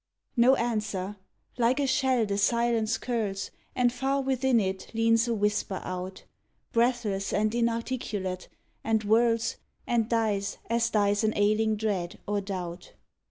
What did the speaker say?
No answer; like a shell the silence curls, And far within it leans a whisper out, Breathless and inarticulate, and whirls And dies as dies an ailing dread or doubt.